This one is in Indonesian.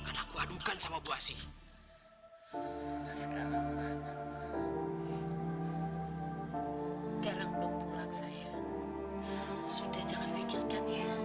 galang belum pulang sayang sudah jangan fikirkan ya